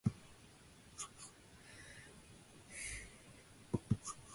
Kimiko refuses to accept the truth and makes preparations to leave the house.